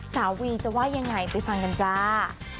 สาววีจะว่ายังไงไปฟังกันจ้า